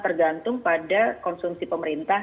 tergantung pada konsumsi pemerintah